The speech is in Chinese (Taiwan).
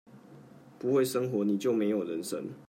不會生活，你就沒有人生